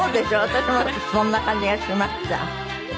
私もそんな感じがしました。